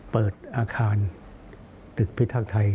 เปิดอาคารตึกพิทักษ์ไทย